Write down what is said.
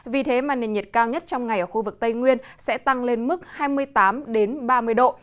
vì thế mà nền nhiệt cao nhất trong ngày ở khu vực tây nguyên sẽ tăng lên mức hai mươi tám ba mươi độ